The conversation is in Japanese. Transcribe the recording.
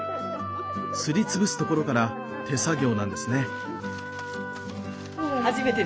すりつぶすところから手作業なんですね。